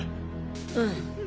うん。